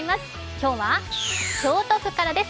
今日は京都府からです。